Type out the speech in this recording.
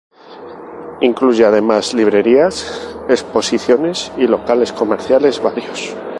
Incluye además librerías, exposiciones y locales comerciales varios.